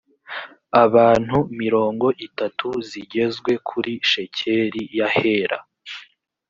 abantu mirongo itatu zigezwe kuri shekeli y’ahera